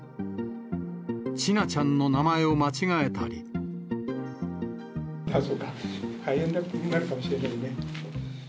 千奈ちゃんの名前を間違えたそうか、廃園になるかもしれないね。